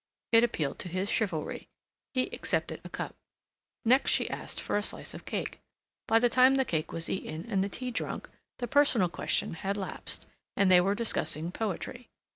It appealed to his chivalry. He accepted a cup. Next she asked for a slice of cake. By the time the cake was eaten and the tea drunk the personal question had lapsed, and they were discussing poetry.